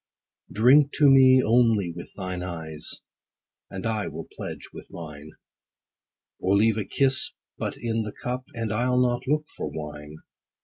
Drink to me, only with thine eyes, And I will pledge with mine ; Or leave a kiss but in the cup, And I'll not look for wine.